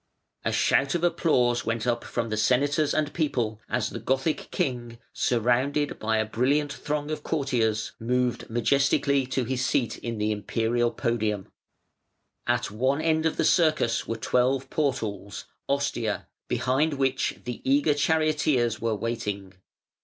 A shout of applause went up from senators and people as the Gothic king, surrounded by a brilliant throng of courtiers, moved majestically to his seat in the Imperial podium. At one end of the Circus were twelve portals (ostia), behind which the eager charioteers were waiting.